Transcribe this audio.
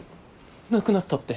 亡くなったって。